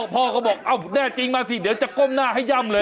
พ่อก็บอกเอ้าแน่จริงมาสิเดี๋ยวจะก้มหน้าให้ย่ำเลย